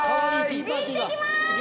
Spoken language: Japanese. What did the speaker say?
ティーパーティー。